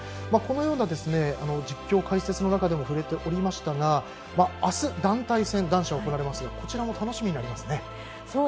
このような実況、解説の中でも触れておりましたがあす、団体戦男子は行われますがこちらも楽しみですね。